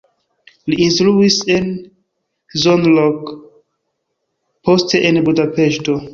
Li instruis en Szolnok, poste en Budapeŝto.